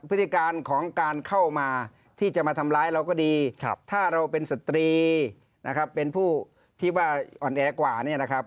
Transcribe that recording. พฤติการของการเข้ามาที่จะมาทำร้ายเราก็ดีถ้าเราเป็นสตรีนะครับเป็นผู้ที่ว่าอ่อนแอกว่าเนี่ยนะครับ